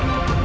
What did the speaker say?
para per naw